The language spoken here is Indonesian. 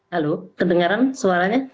halo kedengaran suaranya